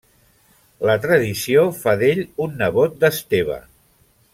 La tradició fa d'ell un nebot d'Esteve.